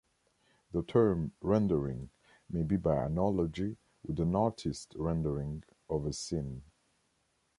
The term "rendering" may be by analogy with an "artist's rendering" of a scene.